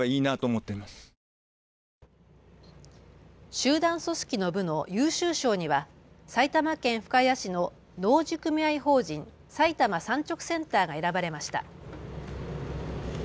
集団組織の部の優秀賞には埼玉県深谷市の農事組合法人埼玉産直センターが選ばれました。